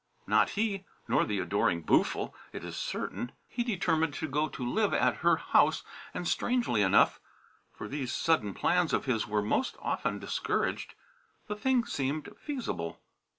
Not he, nor the adoring Boo'ful, it is certain. He determined to go to live at her house, and, strangely enough for these sudden plans of his were most often discouraged the thing seemed feasible.